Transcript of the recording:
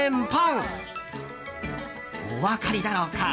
お分かりだろうか？